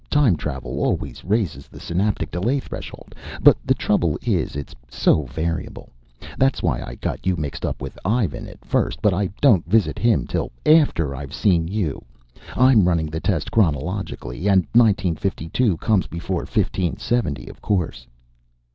Time travel always raises the synaptic delay threshold, but the trouble is it's so variable. That's why I got you mixed up with Ivan at first. But I don't visit him till after I've seen you I'm running the test chronologically, and nineteen fifty two comes before fifteen seventy, of course."